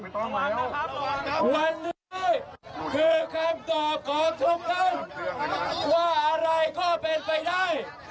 วันนี้คือคำตอบของทุกคนว่าอะไรก็เป็นไปได้